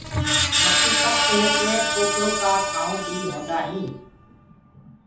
مڪوُ پڪ هي ڪي ڪوپرو ڪآ ٺآيونٚ بي هوندآ هينٚ۔